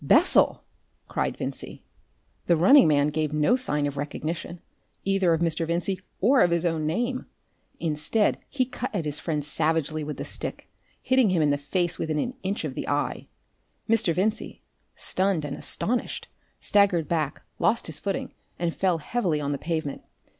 "Bessel!" cried Vincey. The running man gave no sign of recognition either of Mr. Vincey or of his own name. Instead, he cut at his friend savagely with the stick, hitting him in the face within an inch of the eye. Mr. Vincey, stunned and astonished, staggered back, lost his footing, and fell heavily on the pavement.